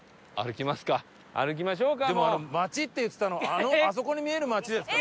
でも街って言ってたのあのあそこに見える街ですか？